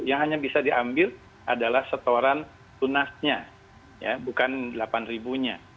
yang hanya bisa diambil adalah setoran lunasnya bukan delapan ribunya